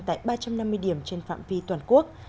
tại ba trăm năm mươi điểm trên phạm vi toàn quốc